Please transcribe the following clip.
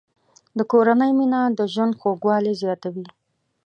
د کورنۍ مینه د ژوند خوږوالی زیاتوي.